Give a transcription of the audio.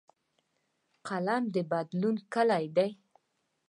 قلم د بدلون کلۍ ده